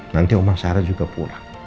nanti omang sarah juga pulang